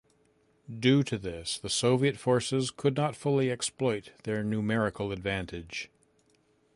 Due to this, the Soviet forces could not fully exploit their numerical advantage.